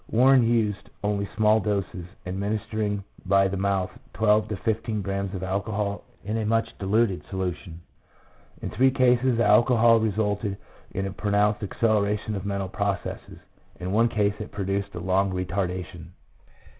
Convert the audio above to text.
Warren used only small doses, administering by the mouth twelve to fifteen grammes of alcohol in a much diluted solution. In three cases the alcohol resulted in a pronounced acceleration of mental processes; in one case it produced a long retarda tion.